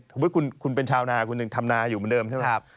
สมมติคุณเป็นชาวนาคุณทำนาอยู่เหมือนเดิมใช่ไหมครับ